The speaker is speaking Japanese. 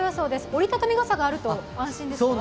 折り畳み傘があると安心ですか？